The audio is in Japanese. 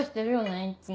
いっつも。